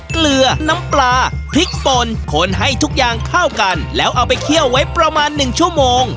เกลือน้ำปลาพริกปนคนให้ทุกอย่างเข้ากันแล้วเอาไปเคี่ยวไว้ประมาณหนึ่งชั่วโมง